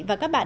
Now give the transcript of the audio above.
và các bạn